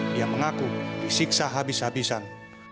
dia mengaku disiksa habis habisan